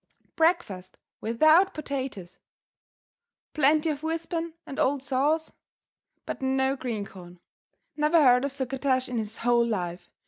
Breakfast without potatoes! Plenty of wisdom and old saws but no green corn; never heard of succotash in his whole life.